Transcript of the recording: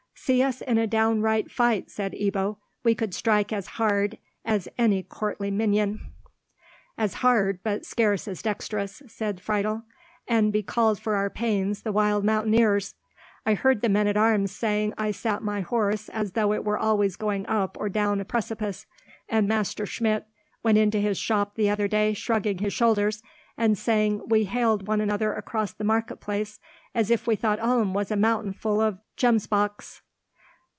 "See us in a downright fight," said Ebbo; "we could strike as hard as any courtly minion." "As hard, but scarce as dexterously," said Friedel, "and be called for our pains the wild mountaineers. I heard the men at arms saying I sat my horse as though it were always going up or down a precipice; and Master Schmidt went into his shop the other day shrugging his shoulders, and saying we hailed one another across the market place as if we thought Ulm was a mountain full of gemsbocks."